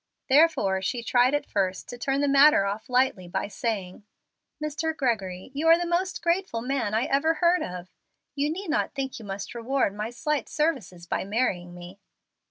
Therefore she tried at first to turn the matter off lightly by saying, "Mr. Gregory, you are the most grateful man I ever heard of. You need not think you must reward my slight services by marrying me."